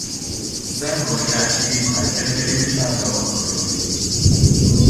三国杀是一款蒸蒸日上的网络游戏。